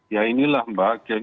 ya inilah mbak